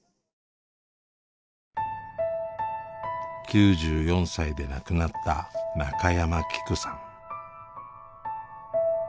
９４歳で亡くなった中山きくさん。